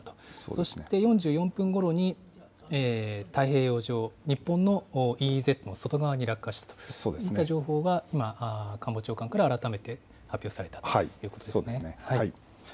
そして４４分ごろに、太平洋上、日本のＥＥＺの外側に落下したという情報が、官房長官から改めて発表されたということですね。